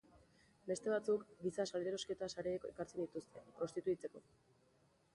Beste batzuk giza salerosketa sareek ekartzen dituzte, prostituitzeko.